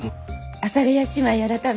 阿佐ヶ谷姉妹改め。